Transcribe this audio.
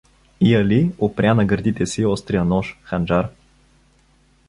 — И Али опря на гърдите си острия нож (ханджар).